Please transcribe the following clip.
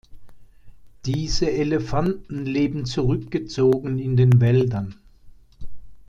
Diese Elefanten leben zurückgezogen in den Wäldern.